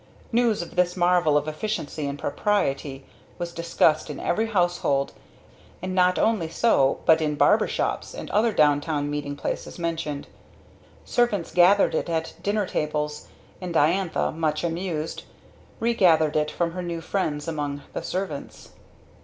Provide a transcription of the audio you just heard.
News of this marvel of efficiency and propriety was discussed in every household, and not only so but in barber shops and other downtown meeting places mentioned. Servants gathered it at dinner tables; and Diantha, much amused, regathered it from her new friends among the servants.